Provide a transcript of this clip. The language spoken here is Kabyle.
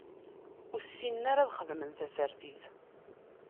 Ur ssinen ara ad xedmen tasertit.